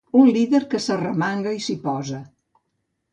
Un líder que s’arremanga i s’hi posa.